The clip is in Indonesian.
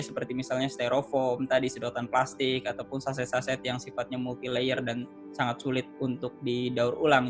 seperti misalnya stereofoam tadi sedotan plastik ataupun saset saset yang sifatnya multi layer dan sangat sulit untuk didaur ulang